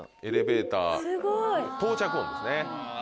エレベーター到着音ですね。